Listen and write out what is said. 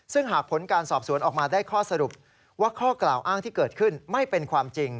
ซึ่งหากผลการสอบสวนออกมาได้ข้อสรุปว่าข้อกล่าวอ้างที่เกิดขึ้นไม่เป็นความจริง